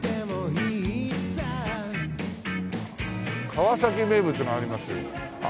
川崎名物がありますよ。